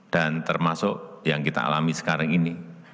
dan termasuk yang kita alami sekarang ini